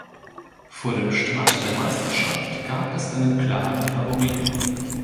Vor dem Start der Meisterschaft gab es einen klaren Favoriten.